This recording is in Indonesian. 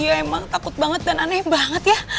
iya emang takut banget dan aneh banget ya